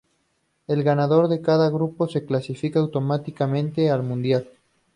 El ganador de cada grupo se clasificaba automáticamente al Mundial.